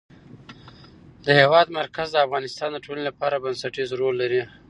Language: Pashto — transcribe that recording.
د هېواد مرکز د افغانستان د ټولنې لپاره بنسټيز رول لري.